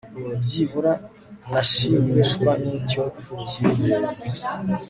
byibura nashimishwa n'icyo cyizere